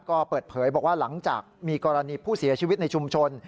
ก็เปิดเผยบอกว่าหลังจากมีกรณีผู้เสียชีวิตในชุมชน